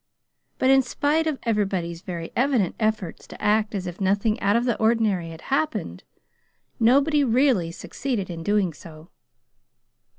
But, in spite of everybody's very evident efforts to act as if nothing out of the ordinary had happened, nobody really succeeded in doing so.